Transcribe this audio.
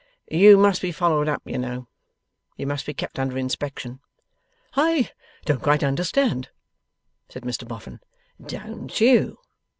You must be followed up, you know. You must be kept under inspection.' 'I don't quite understand,' said Mr Boffin. 'Don't you?